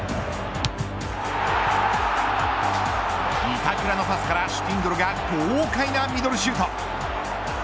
板倉のパスからシュティンドルが豪快なミドルシュート。